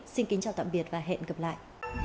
xin kính chào tạm biệt và hẹn gặp lại